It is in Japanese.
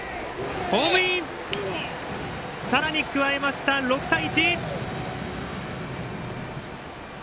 ホームイン！さらに加えました、６対１！